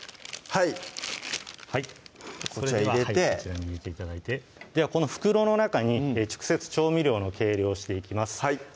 はいこちら入れてではこの袋の中に直接調味料の計量していきます